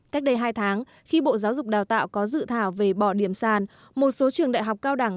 cách đây hai tháng khi bộ giáo dục đào tạo có dự thảo về bỏ điểm sàn một số trường đại học cao đẳng